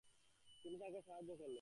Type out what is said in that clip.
তিনি তাকে সাহায্য করেন।